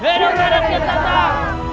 hidup raden kian santan